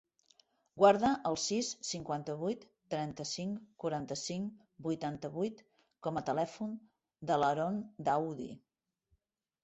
Guarda el sis, cinquanta-vuit, trenta-cinc, quaranta-cinc, vuitanta-vuit com a telèfon de l'Aaron Daoudi.